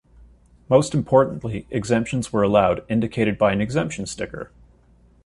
Most importantly, exemptions were allowed, indicated by an exemption sticker.